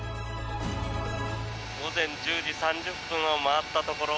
午前１０時３０分を回ったところ。